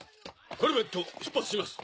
コルベット出発します。